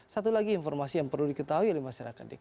satu lagi informasi yang perlu diketahui oleh masyarakat dki